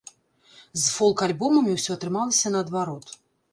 З фолк-альбомамі ўсё атрымалася наадварот.